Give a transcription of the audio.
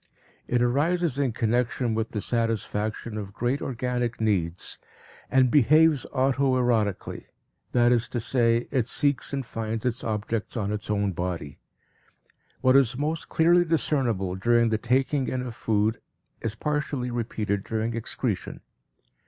It arises in connection with the satisfaction of great organic needs and behaves auto erotically, that is to say, it seeks and finds it objects on its own body. What is most clearly discernible during the taking in of food is partially repeated during excretion.